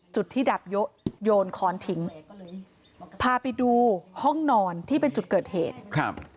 จุดที่ดับเยอะโยนค้อนทิ้งพาไปดูห้องนอนที่เป็นจุดเกิดเหตุครับ